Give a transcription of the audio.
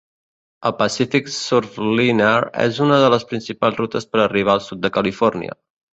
El "Pacific Surfliner" és una de les principals rutes per arribar al sud de Califòrnia.